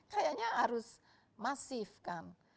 kayaknya harus masif kan